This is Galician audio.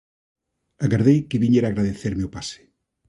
Agardei que viñera agradecerme o pase.